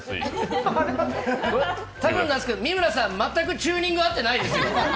多分なんですけど、三村さん全くチューニングあってないですね。